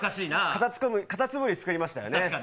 かたつむり、作りましたよね。